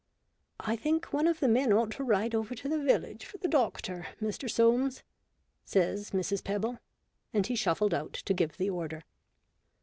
" I think one of the men ought to ride over to the village for the doctor, Mr. Soames," says Mrs. Pebble, and he shuffled out to give the order.